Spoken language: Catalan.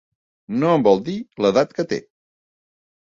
No em vol dir l'edat que té.